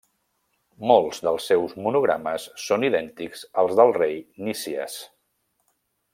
Molts dels seus monogrames són idèntics als del rei Nícies.